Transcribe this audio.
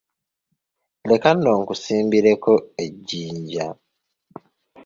Leka nno nkusimbireko ejjinja.